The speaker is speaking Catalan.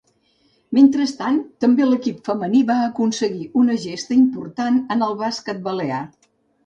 Mentrestant, també l'equip femení va aconseguir una gesta important en el bàsquet balear.